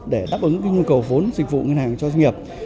để đáp ứng nhu cầu vốn dịch vụ ngân hàng cho doanh nghiệp